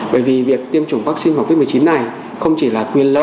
bởi vì việc tiêm chủng vaccine covid một mươi chín này không chỉ là quyền lợi